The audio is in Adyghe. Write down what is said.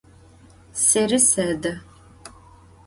Seri sede.